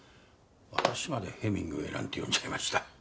私までヘミングウェイなんて呼んじゃいました。